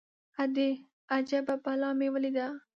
_ادې! اجبه بلا مې وليده.